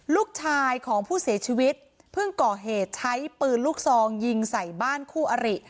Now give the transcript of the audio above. ลูกชายของผู้เสียชีวิตเพิ่งก่อเหตุใช้ปืนลูกซองยิงใส่บ้านคู่อริ